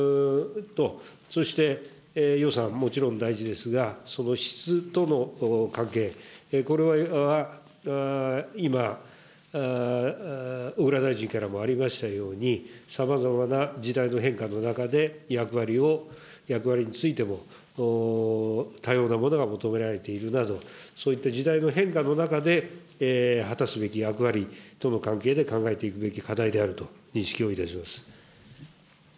そして予算、もちろん大事ですが、その質との関係、これは今、小倉大臣からもありましたように、さまざまな時代の変化の中で役割を、役割についても多様なものが求められているなど、そういった時代の変化の中で果たすべき役割との関係で考えていくべき課題であると認識をいたします。